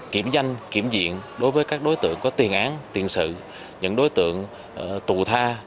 kiểm danh kiểm diện đối với các đối tượng có tiền án tiền sự những đối tượng tù tha